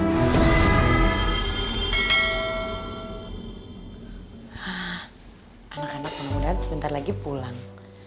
hah anak anak semoga sebentar lagi pulang